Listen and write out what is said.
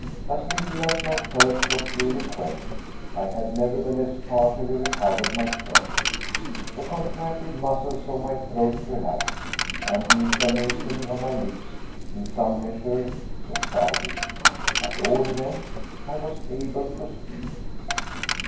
As little as my thirst was really quenched, I had nevertheless partially recovered my strength. The contracted muscles of my throat relaxed and the inflammation of my lips in some measure subsided. At all events, I was able to speak.